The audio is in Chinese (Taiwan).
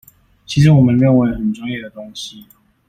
其實我們認為很專業的東西